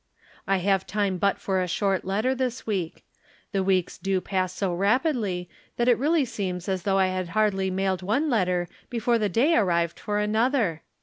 I have time but for a short letter this week. The weeks do pass so rapidly that it really seems as though I had hardly mailed one letter before the day arrived for another.